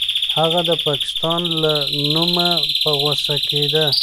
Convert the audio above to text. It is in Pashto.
هغه د پاکستان له نومه په غوسه کېده.